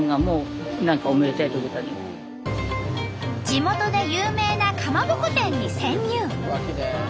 地元で有名なかまぼこ店に潜入！